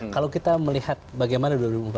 kalau kita melihat bagaimana dua ribu empat belas